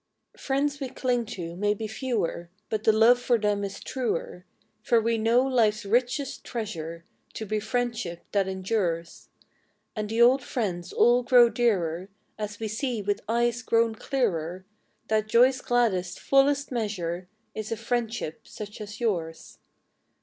Is a F riends xv)e clinq to mau be fe^Oer, But the loOe jor them is truer; fbr \Oe know life s richest treasure To be friendship that em dures, And the old jriends all qroxO dearer & As vOe see \oith eues qro\On clearer That joq's gladdest, fullest measure ' Is a friendship such as Ljours.